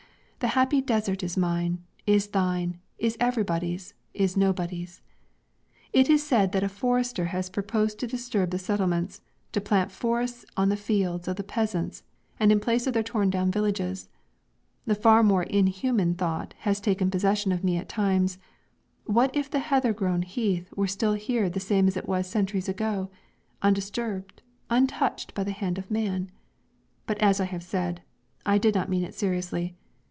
the happy desert is mine, is thine, is everybody's, is nobody's. It is said that a forester has proposed to disturb the settlements, to plant forests on the fields of the peasants and in place of their torn down villages; the far more inhuman thought has taken possession of me at times what if the heather grown heath were still here the same as it was centuries ago, undisturbed, untouched by the hand of man! But as I have said, I did not mean it seriously.